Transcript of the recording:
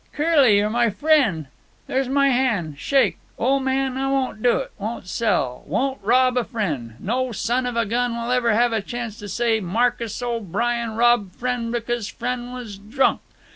"Curly, you're my frien'. There's my han'. Shake. Ol' man, I won't do it. Won't sell. Won't rob a frien'. No son of a gun will ever have chance to say Marcus O'Brien robbed frien' cause frien' was drunk.